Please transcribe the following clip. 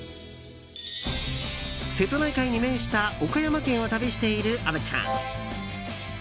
瀬戸内海に面した岡山県を旅している虻ちゃん。